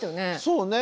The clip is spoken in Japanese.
そうね。